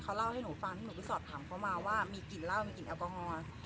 เขาเล่าให้หนูฟังหนูไปสอบถามเขามาว่ามีกลิ่นเหล้ามีกลิ่นแอลกอฮอล์